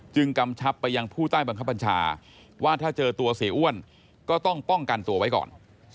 กำชับไปยังผู้ใต้บังคับบัญชาว่าถ้าเจอตัวเสียอ้วนก็ต้องป้องกันตัวไว้ก่อน